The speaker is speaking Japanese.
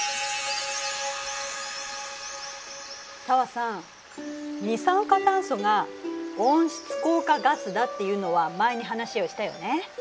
紗和さん二酸化炭素が温室効果ガスだっていうのは前に話をしたよね。